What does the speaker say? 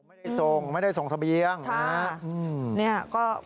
ไม่ทรงที่กับบ้าลังเป็นเค้านะ